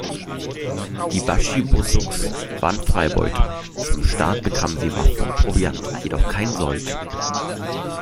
Die Baschi-Bosuks waren Freibeuter: Vom Staat bekamen sie Waffen und Proviant, jedoch keinen Sold.